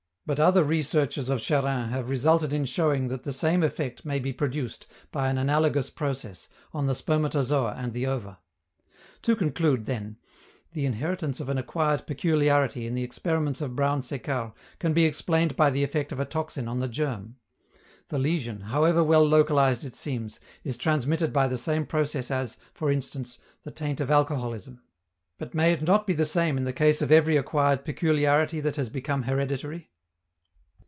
But other researches of Charrin have resulted in showing that the same effect may be produced, by an analogous process, on the spermatozoa and the ova. To conclude, then: the inheritance of an acquired peculiarity in the experiments of Brown Séquard can be explained by the effect of a toxin on the germ. The lesion, however well localized it seems, is transmitted by the same process as, for instance, the taint of alcoholism. But may it not be the same in the case of every acquired peculiarity that has become hereditary?